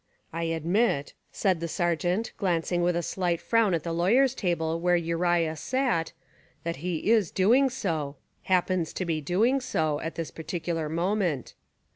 '" ("I admit," said the Sergeant glancing with a slight frown at the lawyer's table where Uriah sat, "that he is doing so, — happens to be doing so, — at this particular moment.")